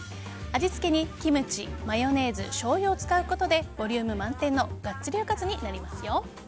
味付けにキムチ、マヨネーズしょうゆを使うことでボリューム満点のガッツリおかずになりますよ。